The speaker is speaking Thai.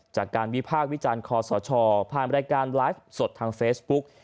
จากการวิพากษ์วิจารณ์คอสชผ่านรายการไลฟ์สดทางเฟซบุ๊ก